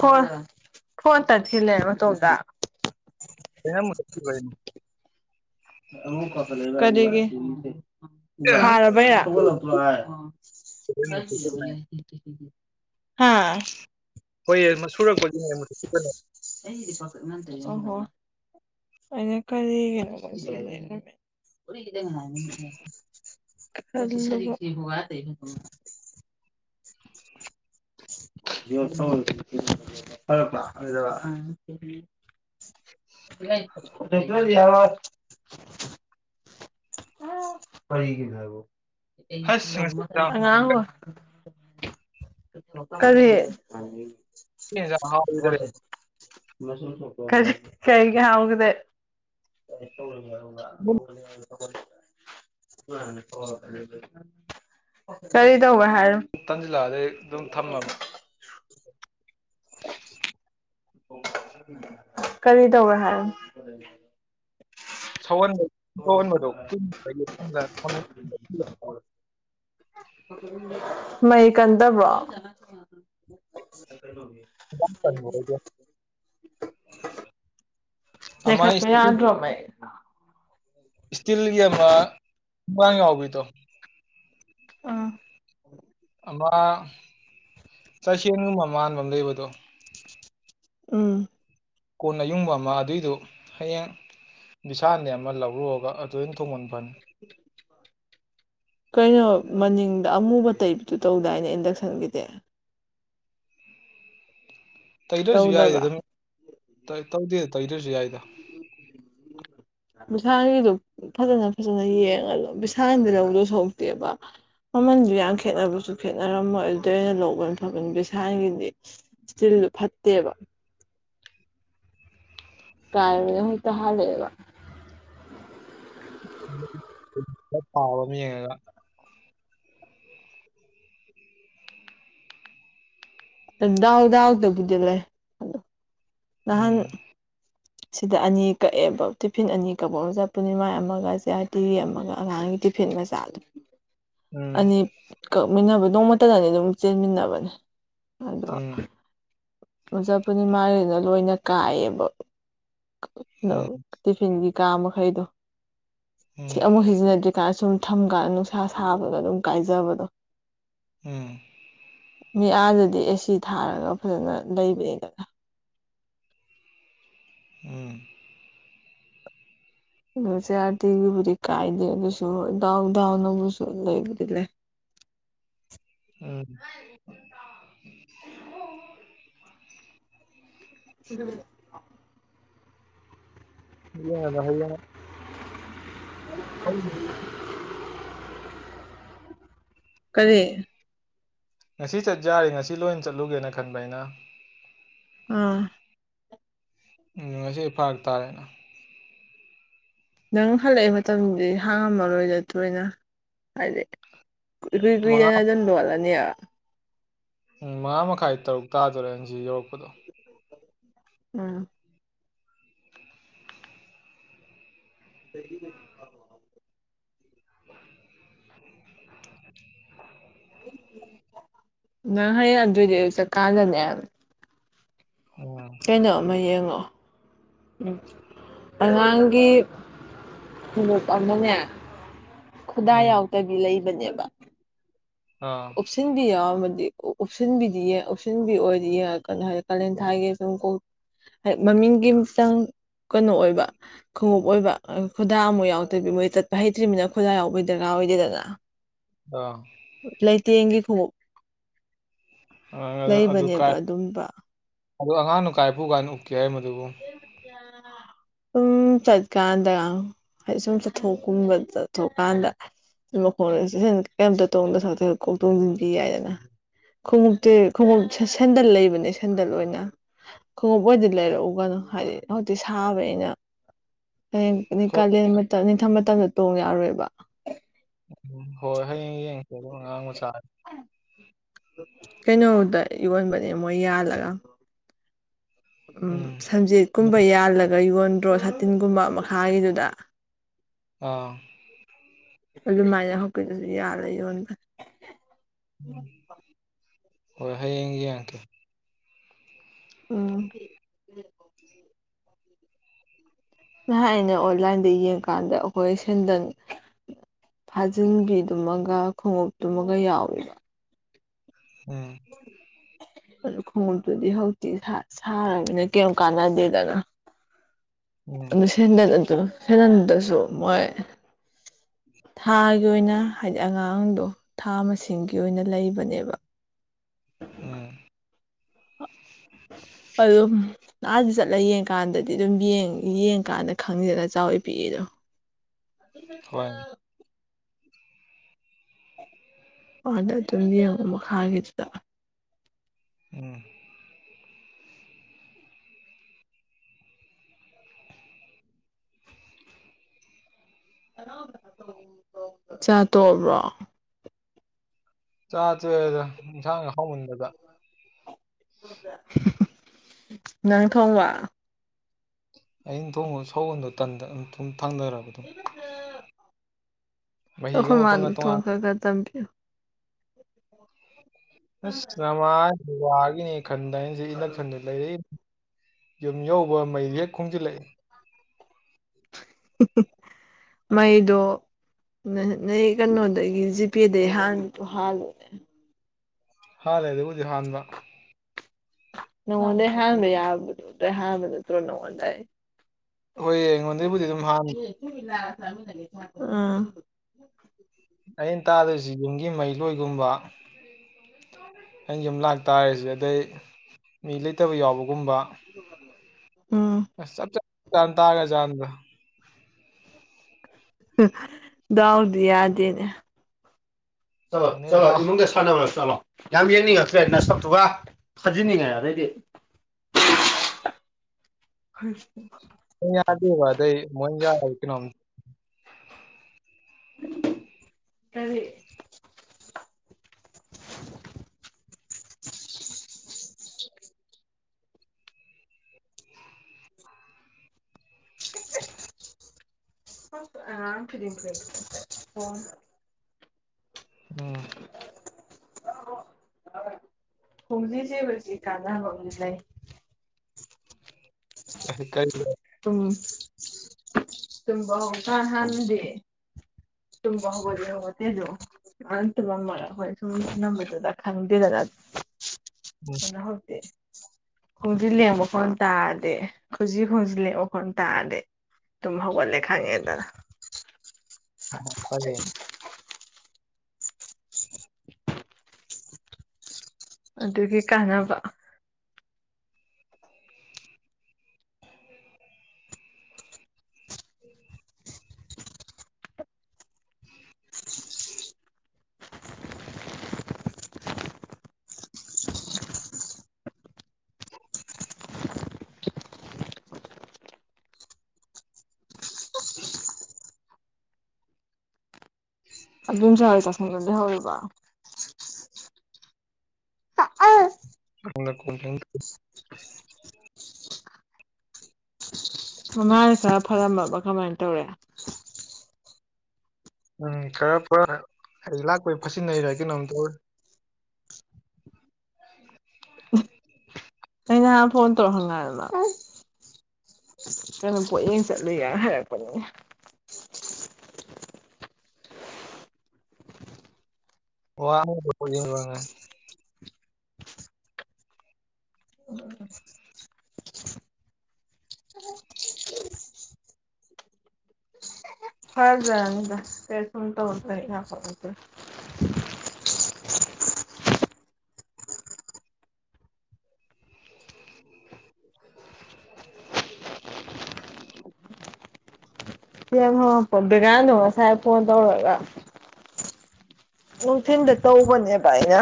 phone phone ꯇꯠꯈꯤꯂꯦ ꯃꯇꯣꯝꯇ ꯑꯩꯅ ꯃꯨꯊꯠꯈꯤꯕꯩꯅꯤ ꯀꯔꯤꯒꯤ ꯐꯔꯥꯕꯩꯔꯥ ꯍꯣꯏ ꯁꯨꯔꯛꯄꯒꯤꯅꯦ ꯃꯨꯠꯊꯠꯈꯤꯕꯅꯦ ꯑꯣꯍꯣ ꯑꯩꯅ ꯀꯔꯤꯒꯤꯅꯣ [unintelligible] ꯈꯜꯂꯕꯣ [unintelligible] ꯐꯨꯛꯇꯔꯗꯤ ꯌꯥꯔꯣꯏ ꯀꯔꯤꯒꯤꯅꯣ ꯑꯥꯢꯕꯣ ꯑꯁ ꯉꯁꯤ ꯏꯟꯖꯥꯡ ꯑꯉꯥꯡ ꯀꯔꯤ ꯉꯁꯤ ꯏꯟꯖꯥꯡ ꯍꯥꯎꯈꯤꯗꯔꯦ [unintelligible] ꯀꯔꯤ ꯀꯩꯒꯤ ꯍꯥꯎ ꯑꯗꯨꯝ ꯀꯔꯤ ꯇꯧꯕ ꯍꯥꯏꯔꯤꯝ ꯇꯥꯟꯁꯤꯜꯂꯛꯑꯗꯩꯩ ꯑꯗꯨꯝ ꯊꯝꯃꯕ ꯀꯔꯤ ꯇꯧꯋꯦ ꯍꯥꯏꯔꯤꯝ [inaudible] ꯁꯧꯍꯟꯕ ꯁꯧꯍꯟꯕꯗꯣ ꯃꯩ ꯀꯟꯗꯕ꯭ꯔꯣ [inaudible] ꯌꯥꯝ ꯀꯟꯕ ꯑꯣꯏꯗꯦ ꯂꯩꯈꯠꯄ ꯌꯥꯗ꯭ꯔꯣ ꯃꯩ ꯏꯁꯇꯤꯜꯒꯤ ꯑꯃ ꯃꯥꯡ ꯌꯥꯎꯕꯤꯗꯣ ꯑꯥ ꯑꯃꯥ ꯆꯥꯏꯁꯦꯟꯒꯨꯝꯕ ꯃꯥꯟꯕ ꯑꯃ ꯂꯩꯕꯗꯣ ꯎꯝ ꯀꯣꯟ ꯑꯌꯨꯡꯕ ꯑꯃ ꯑꯗꯨꯏꯗꯨ ꯍꯌꯦꯡ ꯕꯤꯁꯥꯜꯗꯩꯩ ꯑꯃ ꯂꯧꯔꯨꯔꯒ ꯑꯗꯨ ꯑꯣꯏꯅ ꯊꯣꯡꯕꯅ ꯐꯅꯤ [inaudible] ꯀꯩꯅꯣ ꯃꯅꯤꯡꯗ ꯑꯃꯨꯕ ꯇꯩꯕꯗꯨ ꯇꯧꯗꯥꯏꯅꯦ ꯏꯟꯗꯛꯁꯟꯒꯤꯗꯤ ꯇꯩꯗ꯭ꯔꯁꯨ ꯌꯥꯏꯗ ꯇꯧꯗꯕ꯭ꯔꯥ ꯑꯗꯨꯝ ꯇꯧꯗꯦꯗ ꯇꯩꯗ꯭ꯔꯁꯨ ꯌꯥꯏꯗ [inaudible] ꯕꯤꯁꯥꯜꯒꯤꯗꯨ ꯐꯖꯅ ꯐꯖꯅ ꯌꯦꯡꯉ ꯂꯧ ꯕꯤꯁꯥꯜꯗꯩ ꯂꯧꯗꯣ ꯁꯔꯨꯛꯇꯦꯕ ꯃꯃꯟꯗꯨ ꯌꯥꯝ ꯈꯦꯠꯅꯕꯁꯨ ꯈꯦꯠꯅꯔꯝꯃꯣꯏ ꯑꯗꯨꯗ ꯑꯣꯏꯅ ꯂꯧꯕꯅ ꯐꯗꯧ ꯕꯤꯁꯥꯜꯒꯤꯗꯤ ꯁꯇꯤꯜꯗꯨ ꯐꯠꯇꯦꯕ ꯀꯥꯏꯕꯅ ꯍꯦꯛꯇ ꯍꯥꯜꯂꯛꯑꯦꯕ ꯈꯔ ꯊꯥꯕ ꯑꯃ ꯌꯦꯡꯉꯒ ꯗꯥꯎ ꯗꯥꯎ ꯗꯕꯨꯗꯤ ꯂꯩ ꯑꯗꯣ ꯅꯍꯥꯟ ꯁꯤꯗ ꯑꯅꯤ ꯀꯛꯑꯦꯕ ꯇꯤꯐꯤꯟ ꯑꯅꯤ ꯀꯛꯄꯗ ꯄꯨꯔꯅꯤꯃꯥꯏ ꯑꯃꯒ ꯆꯦ ꯑꯥꯔꯇꯤꯒꯤ ꯑꯃꯒ ꯑꯉꯥꯡꯒꯤ ꯇꯤꯐꯤꯟ ꯃꯆꯥꯗꯨ ꯑꯅꯤ ꯀꯛꯃꯤꯟꯅꯕ ꯅꯣꯡꯃꯇꯗ ꯑꯅꯤ ꯑꯗꯨꯝ ꯆꯦꯟꯃꯤꯟꯅꯕꯅꯦ ꯑꯗꯣ ꯏꯝꯆꯥ ꯄꯨꯔꯅꯤꯃꯥꯒꯤꯅ ꯂꯣꯏꯅ ꯀꯥꯏꯌꯦꯕ [unintelligible] ꯇꯤꯐꯤꯟꯒꯤ ꯀꯥ ꯃꯈꯩꯗꯣ ꯁꯤ ꯑꯃꯨꯛ ꯁꯤꯖꯤꯟꯅꯗ꯭ꯔꯤ ꯁꯥꯏꯅ ꯁꯨꯝ ꯊꯝ ꯀꯥꯟꯗ ꯅꯨꯡꯁꯥ ꯁꯥꯕꯗ ꯑꯗꯨꯝ ꯀꯥꯏꯖꯕꯗꯣ ꯎꯝ ꯃꯤ ꯑꯥꯗꯗꯤ ꯑꯦꯁꯤ ꯊꯥꯔꯒ ꯐꯖꯅ ꯂꯩꯕꯅꯤꯗ ꯎꯝ ꯑꯗꯨ ꯆꯌꯥ ꯇ ꯌꯕꯨ ꯀꯥꯏꯗꯦꯕꯨꯁꯨ ꯗꯥꯎ ꯗꯥꯎꯅꯕꯨꯁꯨ ꯂꯩꯕꯨ ꯂ ꯎꯝ ꯑꯗꯨ [unintelligible] ꯑꯩ ꯀꯔꯤ ꯉꯁꯤ ꯆꯠ ꯌꯥꯔꯦ ꯉꯁꯤ ꯂꯣꯏ ꯆꯠꯂꯨꯒꯦꯅ ꯈꯟꯕ ꯑꯩꯅ ꯑꯪ ꯎ ꯉꯁꯤ ꯑꯩ ꯐꯔꯛ ꯇꯥꯔꯦꯅ ꯅꯪ ꯍꯜꯂꯛꯏ ꯃꯇꯝꯗꯤ ꯍꯥꯡꯉꯝꯃꯔꯣꯏ ꯅꯠꯇ꯭ꯔꯣꯅ ꯍꯥꯏꯗꯤ ꯨꯏ ꯃꯉꯥ ꯀꯨꯏꯗꯅ ꯗꯨꯝ ꯂꯣꯠꯂꯅꯤ ꯄꯨꯡ ꯃꯉꯥ ꯃꯈꯥꯏ ꯇꯔꯨꯛ ꯇꯥꯗꯣꯔꯦꯪꯁꯤ ꯌꯧꯔꯛꯄꯗꯣ ꯑꯥ [unintelligible] [unintelligible] [unintelligible] ꯅꯪ ꯍꯌꯦꯡ ꯑꯗꯨꯏꯗꯤ ꯑꯗꯨ ꯆꯠꯀꯥꯟꯗꯅꯦ ꯎꯝ ꯀꯩꯅꯣꯝ ꯑꯃ ꯌꯦꯡꯉꯛꯑꯣ ꯎꯝ ꯑꯉꯥꯡꯒꯤ ꯈꯨꯃꯨꯛ ꯑꯃꯅꯦ ꯈꯨꯗꯥꯡ ꯎꯝ ꯌꯥꯎꯗꯕꯤ ꯂꯩꯕꯅꯦꯕ ꯑꯥ ꯍꯥꯨꯞꯁꯤꯟꯕꯤ ꯌꯥꯎꯔꯝꯃꯗꯤ ꯎꯨꯞꯁꯤꯟꯕꯤꯗꯤ ꯌꯥꯏ ꯎꯨꯞꯁꯤꯟꯕꯤ ꯑꯣꯏꯔꯗꯤ ꯌꯥꯏ ꯀꯩꯅꯣ ꯍꯥꯏꯔꯗꯤ ꯀꯥꯂꯦꯟ ꯊꯥꯏꯒꯦ ꯁꯨꯝ ꯃꯃꯤꯡꯒꯤꯆꯪ ꯀꯩꯅꯣ ꯑꯣꯏꯕ ꯈꯣꯡꯎꯞ ꯑꯣꯏꯕ ꯈꯨꯗꯥ ꯑꯃꯨꯥꯎ ꯌꯥꯎꯗꯕꯤ ꯃꯣꯏ ꯆꯠꯄ ꯍꯩꯇ꯭ꯔꯤꯕꯅꯤꯅ ꯈꯨꯗꯥ ꯌꯥꯎꯕꯩ ꯗꯔꯀꯥꯔ ꯑꯣꯏꯗꯦꯗꯅ ꯑ ꯂꯩꯇꯦꯡꯒꯤ ꯈꯨꯎꯞ ꯑꯥ, ꯂꯩꯕꯅꯦꯕ ꯑꯗꯨꯝꯕ ꯑꯣ ꯑꯉꯥꯡꯅ ꯀꯥꯏꯄꯨ ꯀꯥꯏꯅ ꯎꯛꯀꯦ ꯍꯥꯏ ꯃꯗꯨꯕꯨ [unintelligible] ꯁꯨꯝ ꯆꯠꯀꯥꯟꯗ ꯍꯥꯏꯗꯤ ꯁꯨꯝ ꯆꯠꯊꯣꯛꯀꯨꯝꯕ ꯆꯠꯊꯣꯛꯀꯥꯟꯗ ꯃꯈꯣꯡ ꯀꯩꯝꯇ ꯇꯣꯡꯗ ꯀꯣꯛ ꯇꯣꯡꯁꯤꯟꯕꯤ ꯌꯥꯏꯗꯅ ꯈꯣꯡꯎꯞꯇꯤ ꯈꯣꯡꯎꯞ ꯁꯟꯗꯜ ꯂꯩꯕꯅꯦ ꯁꯟꯗꯜ ꯑꯣꯏꯅ ꯈꯣꯡꯎꯞ ꯑꯣꯏꯅꯗꯤ ꯂꯩꯔꯛꯎꯕ ꯋꯥꯗꯣ ꯍꯥꯏꯗꯤ ꯍꯧꯖꯤꯛꯇꯤ ꯁꯥꯕꯅꯤꯅ ꯍꯌꯦꯡ ꯍꯣꯏ ꯀꯂꯦꯟ ꯝꯇꯝ ꯅꯤꯡꯊꯝ ꯃꯇꯝꯗ ꯇꯣꯡ ꯌꯥꯔꯣꯏꯕ ꯎꯝ ꯍꯣꯏ ꯍꯌꯦꯡ ꯌꯦꯡꯉꯁꯦ ꯑꯗꯨ ꯑꯉꯥꯡ ꯃꯆꯥ ꯀꯩꯅꯣꯗ ꯌꯣꯟꯕꯅꯦ ꯃꯣꯏ ꯌꯥꯜꯂꯒ ꯎꯝ ꯁꯟꯖꯤꯠꯀꯨꯝꯕ ꯌꯥꯜꯂꯒ ꯌꯣꯟꯗ꯭ꯔꯣ ꯁꯥꯇꯤꯟꯒꯨꯝꯕ ꯃꯈꯥꯒꯤꯗꯨꯗ ꯑꯥ ꯑꯗꯨꯃꯥꯏꯅ ꯍꯧꯖꯤꯛꯀꯤꯗꯨꯁꯨ ꯌꯥꯜꯂ ꯌꯣꯟꯕꯅꯦ ꯎꯝ ꯍꯣꯏ ꯍꯌꯦꯡ ꯌꯦꯡꯉꯛꯀ‌‌ꯦ ꯎꯝ ꯅꯍꯥꯟ ꯑꯩꯅ ꯑꯣꯟꯂꯥꯏꯟꯗ ꯌꯦꯡꯀꯥꯟꯗ ꯑꯩꯈꯣꯏ ꯁꯦꯟꯗꯟ ꯐꯥꯖꯤꯟꯕꯤꯗꯨꯃꯒ ꯈꯣꯡꯎꯞꯇꯨꯃꯒ ꯌꯥꯎꯋꯦꯕ ꯎꯝ ꯑꯗꯨ ꯈꯣꯡꯎꯞꯇꯨꯗꯤ ꯍꯧꯖꯤꯛꯇꯤ ꯁꯥꯔꯕꯅꯦ ꯀꯔꯤ ꯀꯥꯟꯅꯗꯦꯗꯅ ꯎꯝ ꯑꯗꯨ ꯁꯦꯟꯗꯜ ꯑꯗꯨ ꯁꯦꯟꯗꯜꯗꯨꯗꯁꯨ ꯃꯣꯏ ꯊꯥꯒꯤ ꯑꯣꯏꯅ ꯍꯥꯏꯗꯤ ꯑꯉꯥꯡꯗꯣ ꯊꯥ ꯃꯁꯤꯡꯒꯤ ꯑꯣꯏꯅ ꯂꯩꯕꯅꯦꯕ ꯎꯝ ꯑꯗꯨꯝ ꯑꯥꯗ ꯆꯠꯂ ꯌꯦꯡꯀꯥꯟꯗꯗꯤ ꯑꯗꯨꯝ ꯌꯦꯡ ꯌꯦꯡꯀꯥꯟꯗ ꯈꯪꯅꯤꯗꯅ ꯆꯥꯎꯋꯤ ꯄꯤꯛꯏꯗꯣ ꯑꯕꯦ ꯍꯣꯏ ꯃꯆꯥꯎ ꯑꯣ ꯑꯗꯨꯝ ꯌꯦꯡꯉꯣ ꯃꯈꯥꯒꯤꯗꯨꯗ ꯎꯝ [inaudible] ꯆꯥꯛ ꯇꯣꯛꯑꯕ꯭ꯔꯣ ꯆꯥ ꯇꯣꯛ ꯑꯦ ꯗ ꯏꯟꯁꯥꯡ ꯍꯥꯎꯃꯟꯕꯗ ꯅꯪ ꯊꯣꯡꯕ ꯑꯩꯅ ꯊꯣꯡꯕꯗꯣ ꯁꯧꯒꯣꯟꯗꯣ ꯇꯟꯗ ꯑꯗꯨꯝ ꯊꯨꯅ ꯊꯥꯡꯗꯔꯕ ꯗꯨꯝ ꯃꯍꯤꯒ ꯑꯩꯈꯣꯏ ꯃꯥꯗꯨ ꯃꯄꯪꯒ ꯊꯣꯡ ꯇꯣꯉꯥꯟ ꯈꯔ ꯈꯔ ꯇꯝꯕꯤꯌꯨ [inaudible] ꯑꯁ ꯅꯃꯥ ꯗꯨ ꯋꯥꯒꯤꯅꯦ ꯈꯟꯗ ꯑꯩꯅ ꯁꯤꯗ ꯏꯟꯗꯛꯁꯟꯗꯨ ꯂꯩꯔꯛꯏꯅꯤ ꯌꯨꯝ ꯌꯧꯕꯒ ꯃꯩꯖꯦ ꯍꯦꯛ ꯈꯨꯡꯖꯤꯜꯂꯛꯏ ꯃꯩꯗꯣ ꯅꯣꯏ ꯀꯩꯅꯣꯗꯒꯤ ꯖꯤꯄꯦꯗꯒꯤ ꯍꯥꯟꯕꯗꯨ ꯍꯥꯜꯂꯣꯅꯦ ꯍꯥꯜꯂꯦ ꯑꯗꯨꯕꯨꯗꯤ ꯍꯥꯟꯕ ꯅꯪꯉꯣꯟꯗꯩ ꯍꯥꯟꯕ ꯌꯥꯔꯕꯗꯣ ꯑꯗꯨꯗꯩꯩ ꯍꯥꯟꯅꯕ ꯅꯠꯇ꯭ꯔꯣ ꯅꯪꯉꯣꯟꯗꯩ ꯍꯣꯏꯌꯦ ꯑꯩꯉꯣꯟꯗꯩꯕꯨꯗꯤ ꯑꯗꯨꯝ ꯍꯥꯟꯅꯤ ꯎꯝ ꯑꯩꯅ ꯇꯥꯗꯣꯏꯁꯤ ꯌꯨꯝꯒꯤ ꯃꯩꯂꯣꯏꯒꯨꯝꯕ ꯑꯩꯅ ꯌꯨꯝ ꯂꯥꯛ ꯇꯥꯔꯤꯁꯦ ꯑꯗꯩ ꯃꯤ ꯂꯩꯇꯕ ꯌꯥꯎꯕꯒꯨꯝꯕ ꯎꯝ ꯑꯁ ꯆꯞ ꯆꯞ ꯒ꯭ꯌꯥꯟ ꯇꯥꯒ꯭ꯔ ꯖꯥꯠꯅꯤꯗ ꯗꯥꯎꯗꯤ ꯌꯥꯗꯦꯅꯦ ꯆꯠꯂꯣ ꯈꯪꯗꯦ ꯆꯠꯂꯣ ꯗꯥꯎ ꯏꯃꯨꯡꯗ ꯁꯥꯟꯅꯔꯨꯔꯣ ꯆꯠꯂꯣ ꯌꯥꯝ ꯌꯦꯡꯅꯤꯡꯉꯛꯇ꯭ꯔꯦ ꯅꯁꯛꯇꯨꯒ ꯊꯥꯖꯤꯟꯅꯤꯡꯉꯦ ꯑꯗꯩꯗꯤ [unintelligible] ꯌꯥꯗꯦꯕ ꯑꯗꯩꯩ [unintelligible] ꯀꯔꯤ [inaudible] [inaudible] ꯑꯥ [unintelligible] [inaudible] ꯎꯝ ꯈꫭꯡꯖꯤ ꯁꯤꯕꯥꯁꯤ ꯀꯥꯟꯅꯕ ꯑꯝꯗꯤ ꯂꯩ ꯀꯩ ꯀꯩꯅꯣ ꯈꯨꯝ ꯇꯝꯕꯍꯧ ꯀꯥꯟ ꯍꯥꯟꯅꯗꯤ ꯇꯨꯝꯕ ꯍꯧꯒꯠꯂꯤ ꯍꯧꯒꯠꯇꯦꯁꯨ [unintelligible] ꯈꯪꯗꯦꯗ ꯎꯝ [inaudible] ꯈꯣꯡꯖꯤ ꯂꯦꯡꯕ ꯈꯣꯟ ꯇꯥꯔꯗꯤ ꯈꯨꯖꯤ [unintelligible] ꯇꯥꯔꯗꯤ ꯇꯨꯝ ꯍꯧꯒꯠꯂꯦ ꯈꯥꯉꯦꯗꯅ ꯑꯣ [inaudible] ꯑꯗꯨꯒꯤ ꯀꯥꯟꯅꯕ [inaudible] [inaudible] [inaudible] ꯑꯗꯨꯝ [unintelligible] ꯅꯪ ꯅꯈꯣꯟ ꯀꯩꯝ [unintelligible] ꯃꯃꯥꯅ ꯈꯔ ꯐꯔꯝꯃꯕ ꯀꯃꯥꯏꯅ ꯇꯧꯔꯦ ꯎꯝ ꯈꯔꯔ ꯑꯩ ꯂꯥꯛꯄꯩ ꯐꯠꯁꯤꯟꯅꯩꯔꯥ ꯀꯩꯅꯣꯝꯇꯧꯔ [inaudible] ꯑꯩ ꯅꯍꯥꯟ ꯐꯣꯟ ꯇꯧꯔ ꯍꯪꯉ [unintelligible] ꯀꯩꯅꯣ ꯄꯣꯠꯌꯦꯡ ꯆꯠꯂꯨꯏ ꯒ ꯍꯥꯏꯔꯛꯄꯅꯦ ꯋꯥ [unintelligible] ꯐꯥꯖꯔꯅꯤꯗ [unintelligible] [unintelligible] [unintelligible] ꯉꯁꯥꯏ ꯐꯣꯟ ꯇꯧꯔꯒ ꯅꯨꯡꯊꯤꯟꯗ ꯇꯧꯕꯅꯦꯕ ꯑꯩꯅ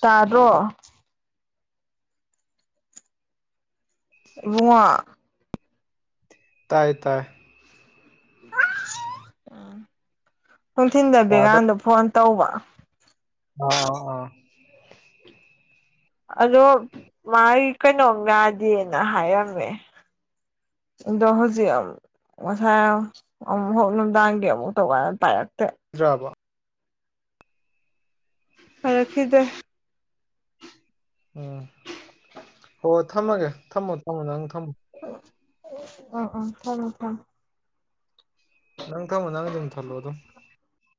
ꯇꯥꯗ꯭ꯔꯣ ꯎꯕꯨꯡꯉꯣ ꯇꯥꯏꯌꯦ ꯇꯥꯏꯌꯦ ꯎꯝ ꯅꯨꯡꯊꯤꯟꯗ ꯇꯥꯗ ꯕꯦꯒꯥꯟꯗ ꯐꯣꯟ ꯇꯧꯕ ꯑꯥ ꯑꯥ ꯑꯗꯣ ꯃꯥꯒꯤ ꯀꯩꯅꯣꯝ ꯌꯥꯗꯦꯅ ꯍꯥꯏꯔꯝꯃꯦ ꯗꯣ ꯍꯧꯖꯤ ꯑꯝ ꯉꯁꯥꯏ ꯑꯃꯨꯛꯐꯥꯎ ꯅꯨꯡꯗꯥꯡꯒꯤ ꯑꯃꯨꯛ ꯇꯧꯀꯥꯟꯅ ꯄꯥꯏꯔꯛꯇꯦ ꯌꯥꯥꯕꯣ ꯄꯥꯏꯔꯛꯈꯤꯗ꯭ꯔꯦ ꯎꯝ ꯍꯣ ꯍꯣꯏ ꯊꯝꯃꯒꯦ ꯊꯝꯃꯣ ꯊꯝꯃꯣ ꯅꯪ ꯊꯝꯃꯣ ꯑꯥ ꯑꯥ ꯊꯃꯦ ꯊꯝ ꯅꯪ ꯊꯝꯃꯣ ꯅꯪꯗꯨꯝ ꯊꯜꯂꯣ ꯑꯗꯣ